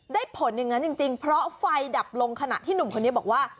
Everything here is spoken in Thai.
ผลอย่างนั้นจริงเพราะไฟดับลงขณะที่หนุ่มคนนี้บอกว่า